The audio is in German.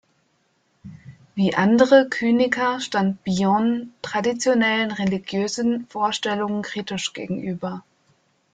Wie andere Kyniker stand Bion traditionellen religiösen Vorstellungen kritisch gegenüber.